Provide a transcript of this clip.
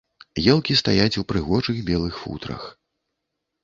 Елкі стаяць у прыгожых белых футрах.